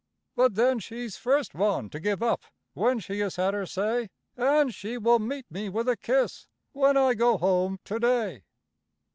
But then she's first one to give up when she has had her say; And she will meet me with a kiss, when I go home to day.